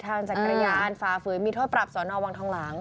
ทางจักรยานฟาฟื้นมีโทษปรับสวนอวังทองหลัง